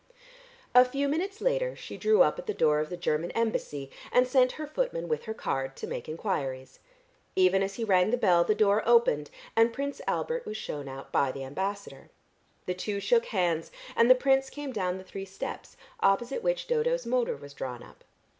A few minutes later she drew up at the door of the German Embassy, and sent her footman with her card to make enquiries. Even as he rang the bell, the door opened, and Prince Albert was shewn out by the Ambassador. The two shook hands, and the Prince came down the three steps, opposite which Dodo's motor was drawn up.